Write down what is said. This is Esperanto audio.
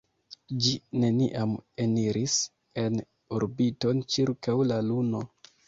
Ĝi neniam eniris en orbiton ĉirkaŭ la Luno.